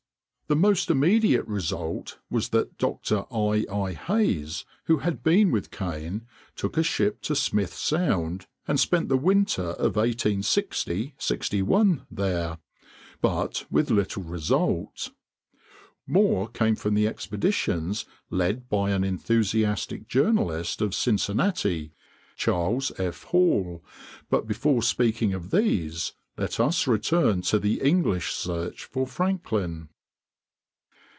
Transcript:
The most immediate result was that Dr. I. I. Hayes, who had been with Kane, took a ship to Smith Sound and spent the winter of 1860 61 there, but with little result. More came from the expeditions led by an enthusiastic journalist of Cincinnati, Charles F. Hall, but before speaking of these, let us return to the English search for Franklin.